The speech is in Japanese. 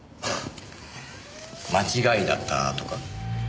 間違いだったとか？